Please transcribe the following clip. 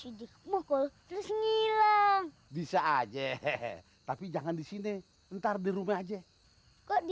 aja mukul terus ngilang bisa aja hehehe tapi jangan disini ntar di rumah aja kok di